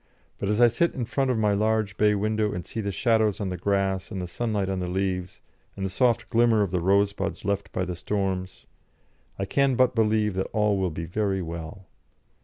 But as I sit in front of my large bay window and see the shadows on the grass and the sunlight on the leaves, and the soft glimmer of the rosebuds left by the storms, I can but believe that all will be very well.